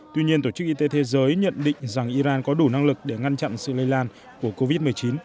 tuy nhiên tổ chức y tế thế giới nhận định rằng iran có đủ năng lực để ngăn chặn sự lây lan của covid một mươi chín